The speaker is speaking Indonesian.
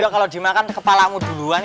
kalau dimakan kepalamu duluan